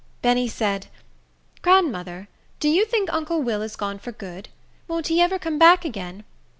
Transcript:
Benny said, "Grandmother, do you think uncle Will has gone for good? Won't he ever come back again?